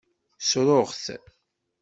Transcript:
Ssruɣ-t.